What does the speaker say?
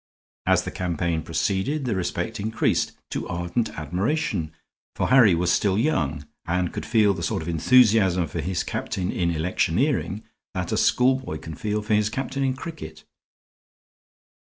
As the campaign proceeded the respect increased to ardent admiration. For Harry was still young, and could feel the sort of enthusiasm for his captain in electioneering that a schoolboy can feel for his captain in cricket.